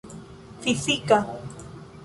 fizika